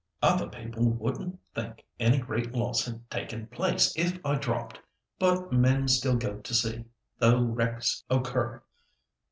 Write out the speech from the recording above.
"Other people wouldn't think any great loss had taken place if I dropped. But men still go to sea, though wrecks occur.